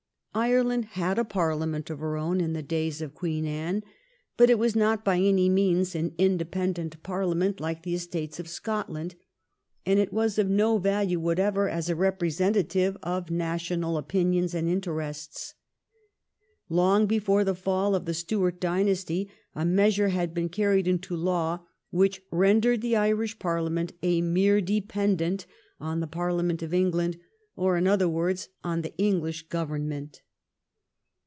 Ireland had a Parliament of her own in the days of Queen Anne, but it was not by any means an independent Parliament like the Estates of Scotland, and it was of no value whatever as a representative of national opinions and interests. Long before the fall of the Stuart dynasty a measure had been carried into law which rendered the Irish Parliament a mere dependent on the Parliament of England, or, in other words, on the EngUsh Government.